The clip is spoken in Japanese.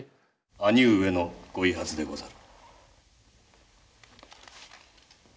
兄上の御遺髪でござる。